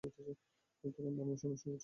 তখন বার্মায় সৈন্য সংকট ছিল।